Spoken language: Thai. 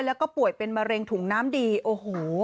แล้วก็ป่วยเป็นมะเร็งถุงน้ำดีโอ้โห